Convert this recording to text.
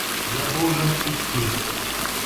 Я должен идти.